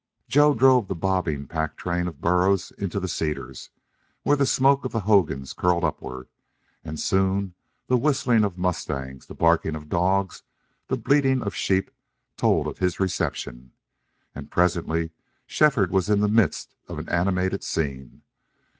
Joe drove the bobbing pack train of burros into the cedars where the smoke of the hogans curled upward, and soon the whistling of mustangs, the barking of dogs, the bleating of sheep, told of his reception. And presently Shefford was in the midst of an animated scene.